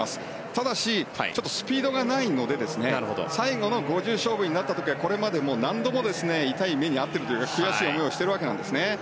ただし、スピードがないので最後の５０ｍ勝負になった時はこれまでも何度も痛い目に遭っているというか悔しい思いをしているわけなんですね。